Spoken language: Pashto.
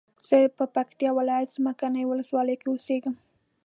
زه په پکتیا ولایت څمکنیو ولسوالۍ کی اوسیږم